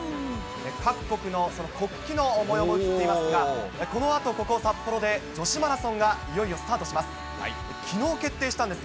各国のその国旗の模様も映っていますが、このあと、ここ、札幌で女子マラソンがいよいよスタートします。